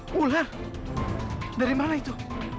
belum lagi ada asalnya ngerti